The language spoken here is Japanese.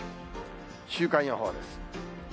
週間予報です。